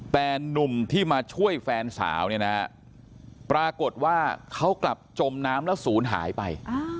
แต่หนุ่มที่มาช่วยแฟนสาวเนี่ยนะฮะปรากฏว่าเขากลับจมน้ำแล้วศูนย์หายไป